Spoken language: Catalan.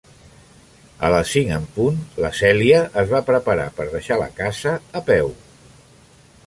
A les cinc en punt, la Cèlia es va preparar per deixar la casa a peu.